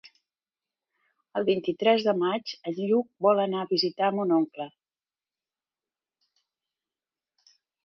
El vint-i-tres de maig en Lluc vol anar a visitar mon oncle.